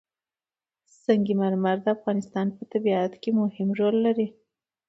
سنگ مرمر د افغانستان په طبیعت کې مهم رول لري.